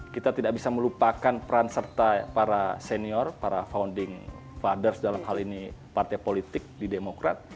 kita tidak bisa melupakan peran serta para senior para founding fathers dalam hal ini partai politik di demokrat